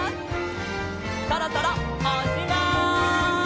そろそろおしまい！